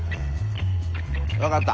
分かった。